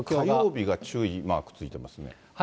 火曜日が注意マークついてますね。